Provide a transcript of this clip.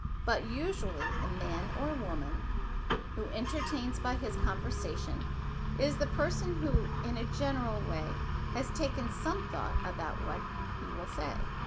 But usually the man or woman who entertains by his conversation is the person who, in a general way, has taken some thought about what he shall say.